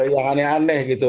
yang aneh aneh gitu